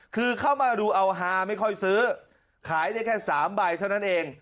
คือเข้ามาดูเอาฮาไม่ค่อยซื้อขายได้แค่๓ใบเท่านั้นเอง